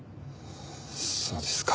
そうですか。